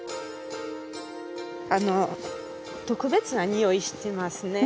あの特別なにおいしてますね？